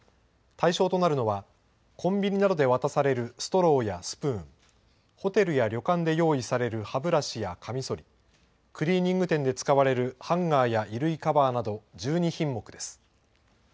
対象となるのは、コンビニなどで渡されるストローやスプーン、ホテルや旅館で用意される歯ブラシやかみそり、クリーニング店で使われるハンガーや衣類カバーなど、１２品目です。